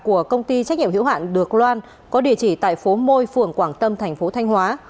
của công ty trách nhiệm hiệu hạn được loan có địa chỉ tại phố môi phường quảng tâm thành phố thanh hóa